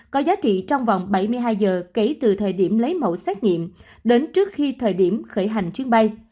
có giá trị trong vòng bảy mươi hai giờ kể từ thời điểm lấy mẫu xét nghiệm đến trước khi thời điểm khởi hành chuyến bay